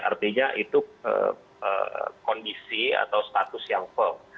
artinya itu kondisi atau status yang firm